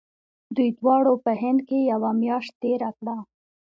دوی دواړو په هند کې یوه میاشت تېره کړه.